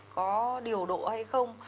có điều độ hay không